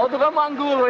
oh itu kan manggul